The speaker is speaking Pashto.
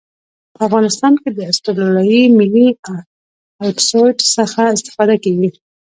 په افغانستان کې د اسټرلیایي ملي الپسویډ څخه استفاده کیږي